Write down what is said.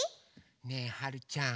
ねえはるちゃん。